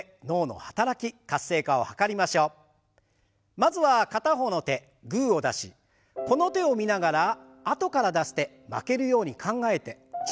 まずは片方の手グーを出しこの手を見ながらあとから出す手負けるように考えてチョキを出します。